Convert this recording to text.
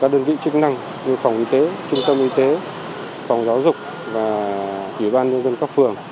các đơn vị chức năng như phòng y tế trung tâm y tế phòng giáo dục và ủy ban nhân dân các phường